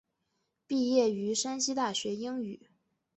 毕业于山西大学英语。